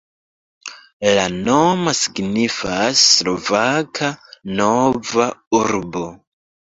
La nomo signifas Slovaka Nova Urbo.